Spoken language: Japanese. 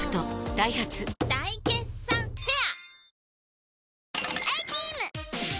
ダイハツ大決算フェア